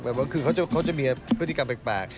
แบบว่าแก่ไว้คือเขาจะมีพฤติกรรมแปลก